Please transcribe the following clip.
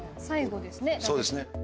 最後ですね。